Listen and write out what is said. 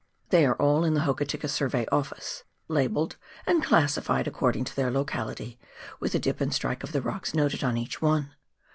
They are all in the Hokitika Survey Office, labelled and classified accord ing to their locality, with the dip and strike of the rocks noted on each one.